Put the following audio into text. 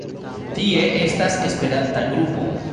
Tie estas esperanta grupo.